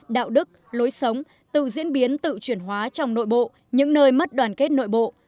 đạo đức lối sống tự diễn biến tự chuyển hóa trong nội bộ những nơi mất đoàn kết nội bộ